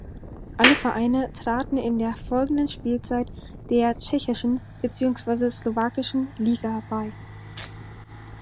Alle Vereine traten in der folgenden Spielzeit der tschechischen beziehungsweise slowakischen Liga bei.